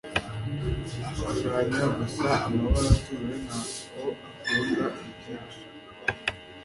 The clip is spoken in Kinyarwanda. Ashushanya gusa amabara atuje; ntabwo akunda ibyinshi.